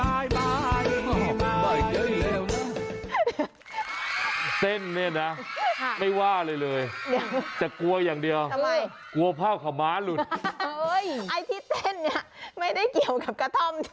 ไอ้ที่เต้นเนี่ยไม่ได้เกี่ยวกับกระท่อมใช่มะ